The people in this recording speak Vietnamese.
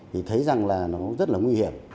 thì thấy rằng là nó rất là nguy hiểm